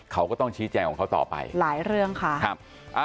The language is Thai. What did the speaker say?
เขาก็ต้องชี้ใจของเขาต่อไป